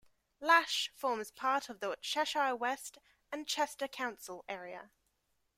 Lache forms part of the Cheshire West and Chester council area.